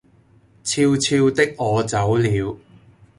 悄悄的我走了